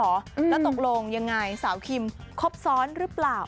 แล้วตกลงยังไงสาวคิมครบซ้อนหรือเปล่า